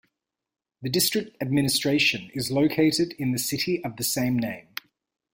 The district administration is located in the city of the same name.